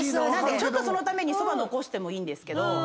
なんでちょっとそのためにそば残してもいいんですけど。